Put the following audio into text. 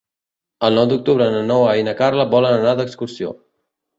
El nou d'octubre na Noa i na Carla volen anar d'excursió.